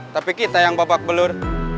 tapi kita yang babak belur